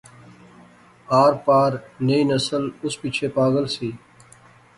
آر پار نئی نسل اس پچھے پاغل سی